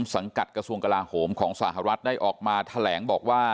สังกัดกระทรวงกลาโหมของสหรัฐได้ออกมาแถลงบอกว่า